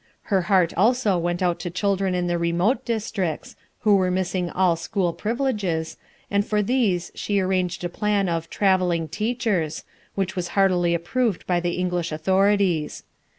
Her heart also went out to children in the remote districts, who were missing all school privileges, and for these she arranged a plan of "travelling teachers," which was heartily approved by the English authorities.